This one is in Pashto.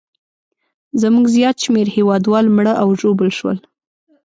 زموږ زیات شمېر هیوادوال مړه او ژوبل شول.